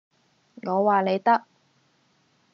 我話你得